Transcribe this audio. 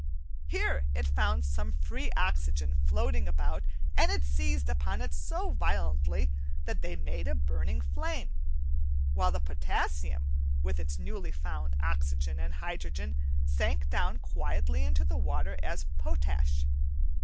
Here it found some free oxygen floating about, and it seized upon it so violently, that they made a burning flame, while the potassium with its newly found oxygen and hydrogen sank down quietly into the water as potash.